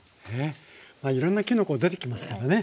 いろんなきのこ出てきますからね。